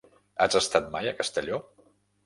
Has estat mai a Castelló?